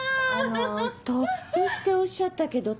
あの突飛っておっしゃったけど